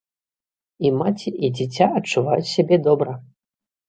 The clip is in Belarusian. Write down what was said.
І маці, і дзіця адчуваюць сябе добра.